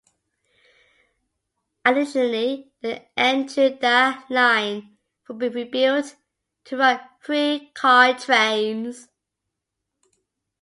Additionally, the N Judah line will be rebuilt to run three car trains.